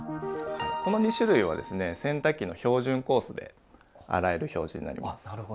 この２種類はですね洗濯機の標準コースで洗える表示になります。